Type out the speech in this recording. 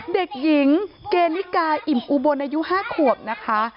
เด็กหญิงเกณฑิกาอิ่มอุบลอายุ๕ขวบนะคะ